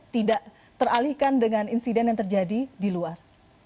tidak teralihkan dengan insiden yang terjadi di luar